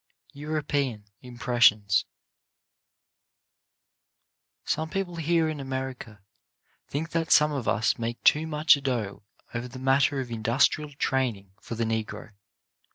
EUROPEAN IMPRESSIONS Some people here in America think that some of us make too much ado over the matter of in dustrial training for the Negro.